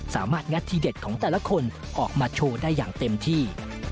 งัดทีเด็ดของแต่ละคนออกมาโชว์ได้อย่างเต็มที่